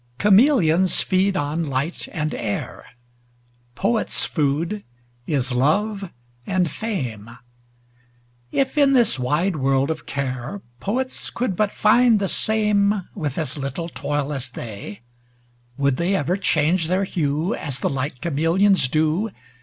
Chameleons feed on light and air; Poets' food is love and fame; If in this wide world of care Poets could but find the same With as little toil as they, Would they ever change their hue As the light chameleons do.